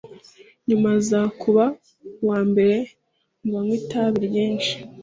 nyuma aza kuba uwa mbere mu banywa itabi ryinshi